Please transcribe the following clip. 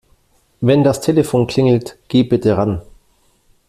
Wenn das Telefon klingelt, geh bitte ran.